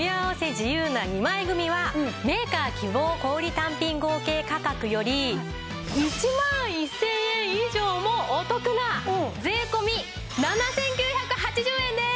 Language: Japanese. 自由な２枚組はメーカー希望小売単品合計価格より１万１０００円以上もお得な税込７９８０円です！